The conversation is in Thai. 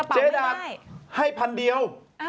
เจ๊ดาให้๑๐๐๐เดียว